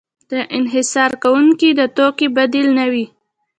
د انحصار کوونکي د توکې بدیل نه وي.